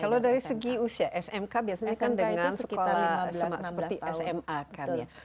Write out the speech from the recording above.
kalau dari segi usia smk biasanya kan dengan kita seperti sma kan ya